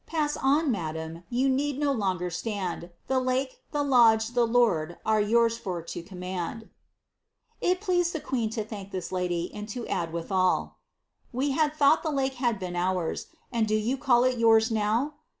Pass on, madame, you need no longer stand, The lake, tlie lodge, the lord, are yours for to command." It pleased the queen to thank this lady, and to add withal, ^ We had thought the lake had been ours, and do you call it yours, now